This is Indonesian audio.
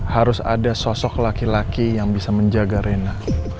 harus ada sosok laki laki yang bisa menjaga rena